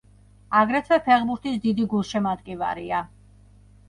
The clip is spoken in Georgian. აგრეთვე ფეხბურთის დიდი გულშემატკივარია.